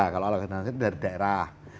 kalau alokasi dana desa itu dari daerah